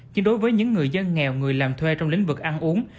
chứ đối với những người dân nghèo người làm thuê trong lĩnh vực ăn uống